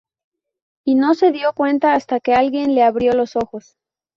Y no se dio cuenta hasta que alguien le abrió los ojos